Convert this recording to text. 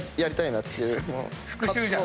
復讐じゃん。